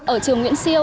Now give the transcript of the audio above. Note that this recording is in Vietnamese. ở trường nguyễn siêu